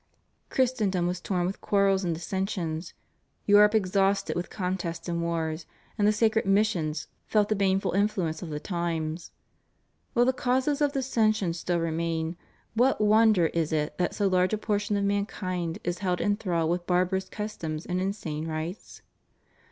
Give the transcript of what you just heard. Christendom was torn with quarrels and dissensions, Europe exhausted with contests and wars, and the sacred missions felt the baneful influence of the times. While the causes of dissension still remain, what wonder is it that so large a portion of mankind is held enthralled with barbarous customs and insane rites?